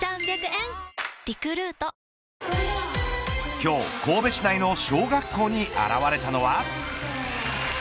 今日、神戸市内の小学校に現れたのは。